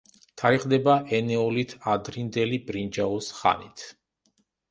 თარიღდება ენეოლით-ადრინდელი ბრინჯაოს ხანით.